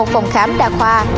một phòng khám đa khoa